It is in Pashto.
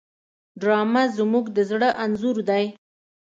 ډرامه زموږ د زړه انځور دی